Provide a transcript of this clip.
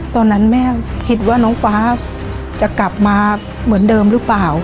ตอนนั้นแม่คิดว่าน้องฟ้าจะกลับมาเหมือนเดิมหรือเปล่า